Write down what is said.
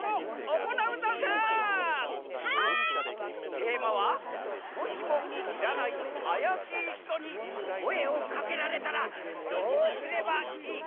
テーマは「もしもしらないあやしいひとにこえをかけられたらどうすればいいか？」。